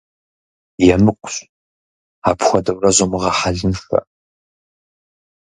Емыкӏущ, апхуэдэурэ зумыгъэхьэлыншэ.